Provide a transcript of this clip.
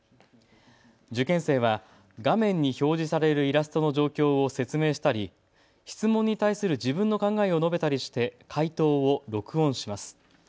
受験生は画面に表示されるイラストの状況を説明したり質問に対する自分の考えを述べたりして解答を録音します。